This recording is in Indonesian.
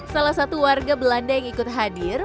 salah satu warga belanda yang ikut hadir